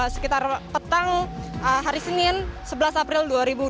sekitar petang hari senin sebelas april dua ribu dua puluh